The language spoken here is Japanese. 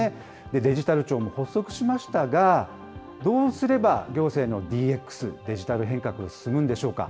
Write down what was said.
デジタル庁も発足しましたが、どうすれば行政のＤＸ・デジタル変革、進むんでしょうか。